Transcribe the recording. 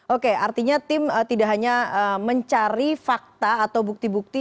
oke artinya tim tidak hanya mencari fakta atau bukti bukti